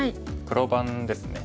黒番ですね。